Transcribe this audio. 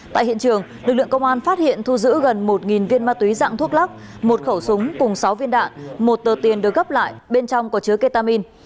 tại hiện trường lực lượng công an phát hiện thu giữ gần một viên ma túy dạng thuốc lắc một khẩu súng cùng sáu viên đạn một tờ tiền được gấp lại bên trong có chứa ketamin